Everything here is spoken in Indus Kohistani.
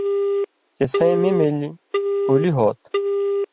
چے سَیں می مِلیۡ اُولی ہُو تھہ